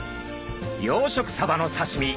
養殖サバの刺身